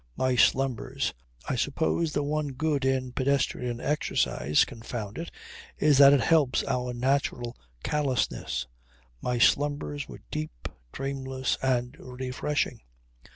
My slumbers I suppose the one good in pedestrian exercise, confound it, is that it helps our natural callousness my slumbers were deep, dreamless and refreshing.